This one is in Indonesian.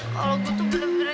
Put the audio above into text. kalau gue tuh bener bener